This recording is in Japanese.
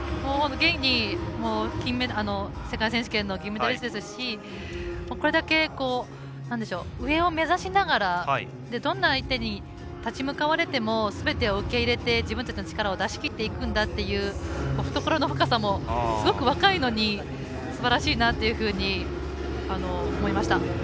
現に世界選手権の銀メダリストですしこれだけ、上を目指しながらどんな相手に立ち向かわれてもすべてを受け入れて自分たちの力を出しきっていくんだという懐の深さもすごく若いのにすばらしいなというふうに思いました。